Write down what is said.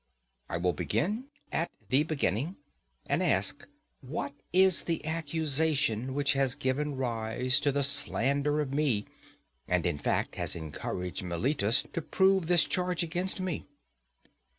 I will begin at the beginning, and ask what is the accusation which has given rise to the slander of me, and in fact has encouraged Meletus to proof this charge against me.